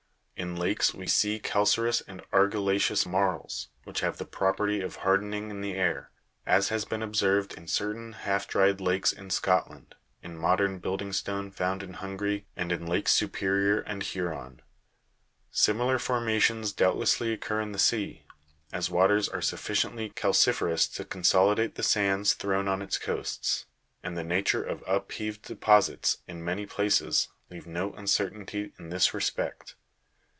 In lakes, we see calca'reous and ar gilla'ceous marls, which have the property of hardening in the air, as has been observed in certain half dried lakes in Scotland, in modern building stone found in Hungary, and in lakes Superior and Huron. Similar formations doubtlessly occur in the sea, as waters are sufficiently calci'ferous to consolidate the sands thrown on its coasts ; and the nature of upheaved deposits, in many places, leave no uncertainty in this respect.